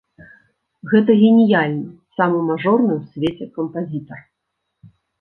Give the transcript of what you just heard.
Гэта геніяльны, самы мажорны ў свеце кампазітар.